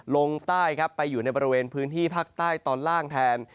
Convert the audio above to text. ลงใต้ครับไปอยู่ในบริเวณพื้นที่ภาคใต้ตอนล่างแทน